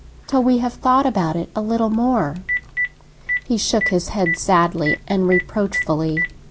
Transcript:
"Till we have thought about it a little more." He shook his head, sadly and reproachfully.